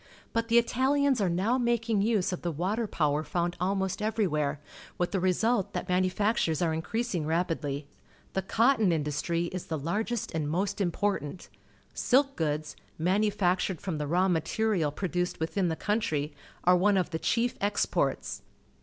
But the ItaUans are now making use of the water power found almost eA'erjT\'here, with the result that manufactures are increasing rapidly. The cotton industrj' is the largest and most important. Silk goods, manu factured from the raw material produced witliin the country, are one of the cliief exports.